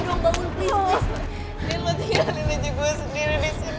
lihat lo tinggal di luar gue sendiri disini